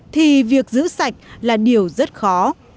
thì việc giữ sạch là điều rất khó